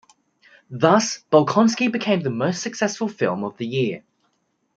Thus, "Bolkonsky" became the most successful film of the year.